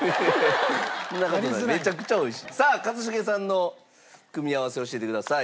さあ一茂さんの組み合わせ教えてください。